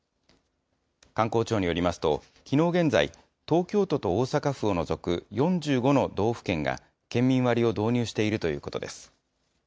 観光庁によりますと、きのう現在、東京都と大阪府を除く４５の道府県が、県民割を導入しているということです。